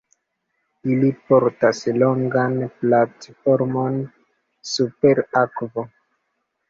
Ili portas longan platformon, super akvo.